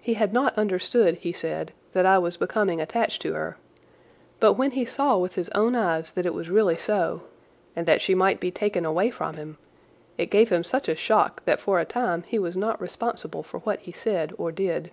He had not understood, he said, that I was becoming attached to her, but when he saw with his own eyes that it was really so, and that she might be taken away from him, it gave him such a shock that for a time he was not responsible for what he said or did.